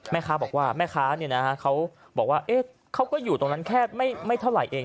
แม่ค้าบอกว่าแม่ค้าเขาบอกว่าเขาก็อยู่ตรงนั้นแค่ไม่เท่าไหร่เอง